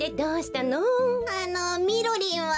あのみろりんは？